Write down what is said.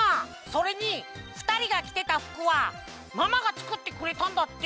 それにふたりがきてたふくはママがつくってくれたんだって！